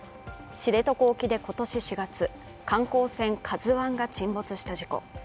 知床沖で今年４月、観光船「ＫＡＺＵⅠ」が沈没した事故。